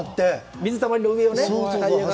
水たまりの上をね。